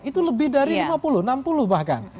itu lebih dari lima puluh enam puluh bahkan